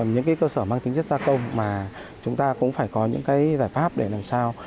những cơ sở mang tính chất gia công mà chúng ta cũng phải có những giải pháp để làm sao